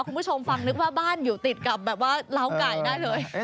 คุณผู้ชมฟังนึกว่าบ้านอยู่ติดกับแบบว่าล้าวไก่ได้เลย